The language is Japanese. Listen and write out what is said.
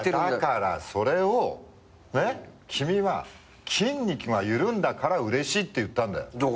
だからそれを君は筋肉が緩んだからうれしいって言ったんだよ。